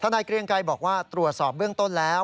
นายเกรียงไกรบอกว่าตรวจสอบเบื้องต้นแล้ว